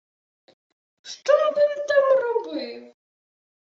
— Що би-м там робив?